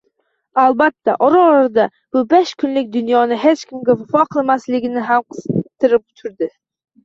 Albatta, ora-orada bu besh kunlik dunyoning hech kimga vafo qilmasligini ham qistirib turdi